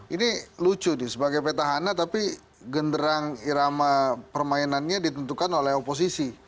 ini lucu nih sebagai petahana tapi genderang irama permainannya ditentukan oleh oposisi